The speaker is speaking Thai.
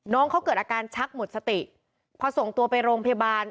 น้องเขาเกิดอาการชักหมดสติพอส่งตัวไปโรงพยาบาล